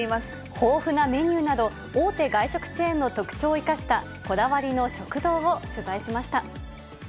豊富なメニューなど、大手外食チェーンの特徴を生かした、こだわりの食堂を取材しました。